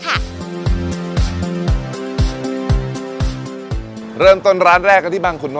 เช่นอาชีพพายเรือขายก๋วยเตี๊ยว